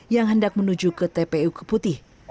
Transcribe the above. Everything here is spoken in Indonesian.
yang hendak menuju ke tpu keputih